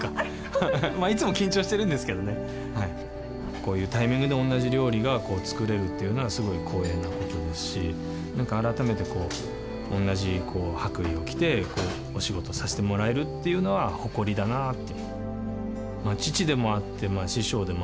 こういうタイミングで同じ料理がこうつくれるっていうのはすごい光栄なことですしなんか改めてこう同じこう白衣を着てこうお仕事させてもらえるっていうのは誇りだなぁって。